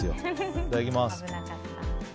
いただきます。